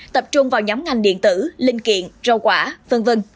tập trung vào nhóm ngành điện tử linh kiện rau quả v v